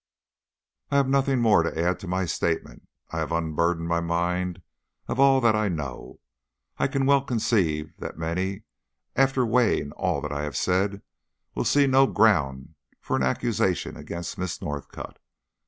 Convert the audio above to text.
I have nothing more to add to my statement. I have unburdened my mind of all that I know. I can well conceive that many, after weighing all that I have said, will see no ground for an accusation against Miss Northcott.